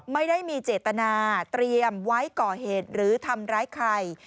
ไม่ได้มีเจตนาเตรียมไว้ก่อเหตุหรือทำร้ายใคร